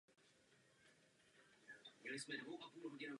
Nejdříve získala diplom učitelky.